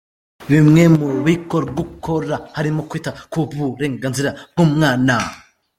Bimwe mu bikorwa ukora harimo kwita ku burenganzira bw’umwana.